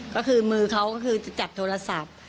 ก็คือมือเขาก็คือจะจับโทรศัพท์